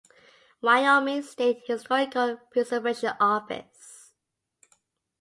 Wyoming State Historical Preservation Office